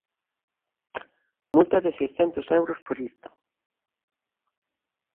Multa de seiscentos euros por isto.